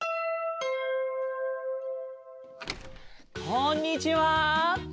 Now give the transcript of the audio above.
こんにちは！